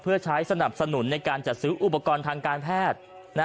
เพื่อใช้สนับสนุนในการจัดซื้ออุปกรณ์ทางการแพทย์